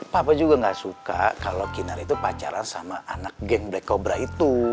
papa juga gak suka kalau kinar itu pacaran sama anak geng black cobra itu